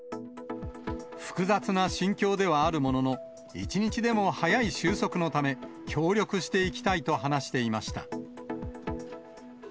複雑な心境ではあるものの、１日でも早い収束のため、協力していきたいと話していました。